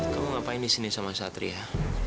kamu ngapain di sini sama satria